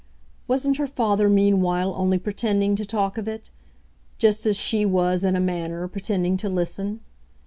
Wasn't her father meanwhile only pretending to talk of it? just as she was, in a manner, pretending to listen?